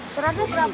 suratnya surat buj